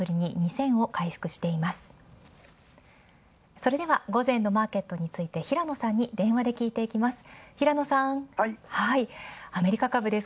それでは午前のマーケットについて平野さんに電話で聞いていきます。